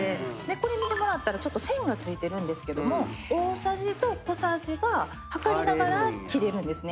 これ見てもらったら線が付いてるんですけども大さじと小さじが量りながら切れるんですね。